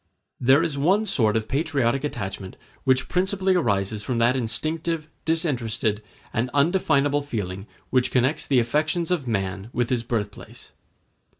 There is one sort of patriotic attachment which principally arises from that instinctive, disinterested, and undefinable feeling which connects the affections of man with his birthplace.